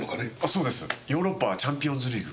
そうですヨーロッパチャンピオンズリーグ。